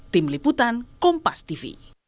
tim liputan kompas tv